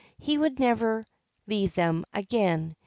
He would never leave them again.